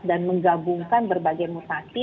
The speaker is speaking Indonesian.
dan menggabungkan berbagai mutasi